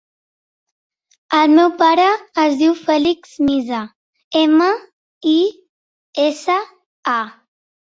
El meu pare es diu Fèlix Misa: ema, i, essa, a.